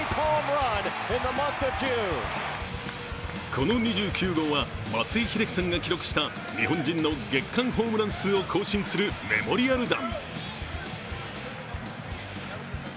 この２９号は松井秀喜さんが記録した、日本人の月間ホームラン数を更新するメモリアル弾。